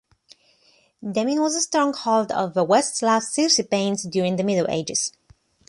Demmin was a stronghold of the West Slav Circipanes during the Middle Ages.